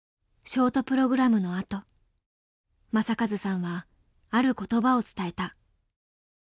ショートプログラムのあと正和さんはある言葉を伝えた。